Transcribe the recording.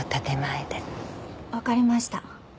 分かりました。